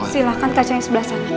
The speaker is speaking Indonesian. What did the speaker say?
silahkan kacanya sebelah sana